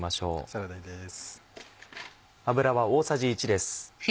サラダ油です。